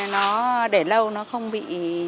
nó để lâu nó không bị